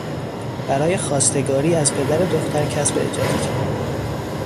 برای خواستگاری از پدر دختر کسب اجازه کرد.